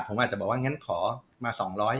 ผมอาจจะบอกว่างั้นขอมา๒๐๐บาท